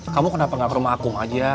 kamu kenapa nggak berumah akung aja